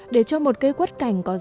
để cho một cây cốt cảnh có dáng